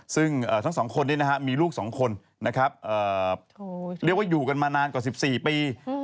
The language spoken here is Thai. ซึ่งทั้งสองคนนี้มีลูก๒คนนะครับเรียกว่าอยู่กันมานานกว่า๑๔ปี